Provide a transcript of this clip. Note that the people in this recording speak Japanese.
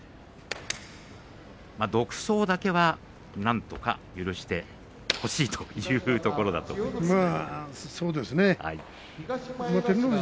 まあ独走だけはなんとか許してほしいというところだと思いますが。